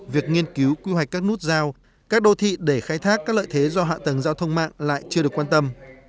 việc nghiên cứu quy hoạch các nút giao các đô thị để khai thác các lợi thế do hạ tầng giao thông mạng lại chưa được quan tâm